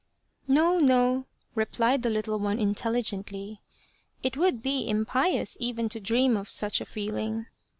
" No, no," replied the little one intelligently, " it would be impious even to dream of such a feeling.